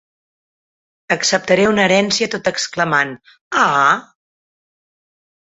Acceptaré una herència, tot exclamant “ah”.